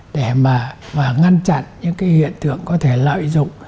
để mà ngăn chặn những cái hiện tượng có thể lợi dụng